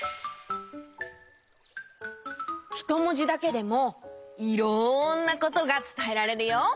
ひともじだけでもいろんなことがつたえられるよ。